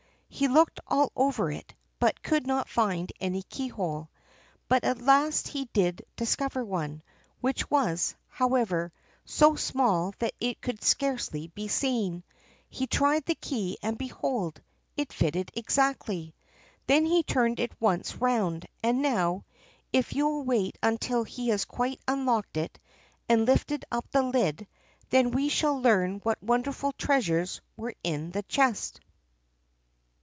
He looked all over it, but could not find any keyhole; but at last he did discover one, which was, however, so small that it could scarcely be seen. He tried the key, and behold! it fitted exactly. Then he turned it once round, and now, if you will wait until he has quite unlocked it, and lifted up the lid, then we shall learn what wonderful treasures were in the chest!